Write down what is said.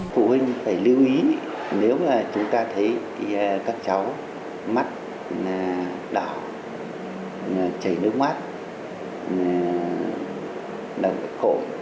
phụ huynh phải lưu ý nếu mà chúng ta thấy các cháu mắt đỏ chảy nước mắt đầm khổ